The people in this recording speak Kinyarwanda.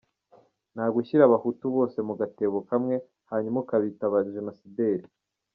Nta gushyira abahutu bose mu gatebo kamwe, hanyuma ukabita abajenosideri.